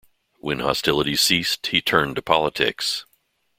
When hostilities ceased he turned to politics.